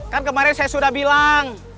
kan kemarin saya sudah bilang